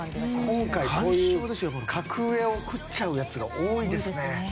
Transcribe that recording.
今回本当に格上を食っちゃうやつが多いですね。